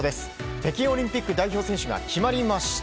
北京オリンピック代表選手が決まりました。